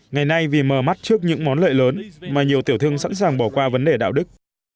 ngày nay vì mờ mắt trước những món lợi lớn mà nhiều tiểu thương sẵn sàng bỏ qua vấn đề đạo đức